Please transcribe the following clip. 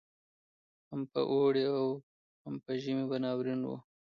هم په اوړي هم په ژمي به ناورین وو